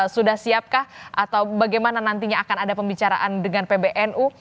sudah siapkah atau bagaimana nantinya akan ada pembicaraan dengan pbnu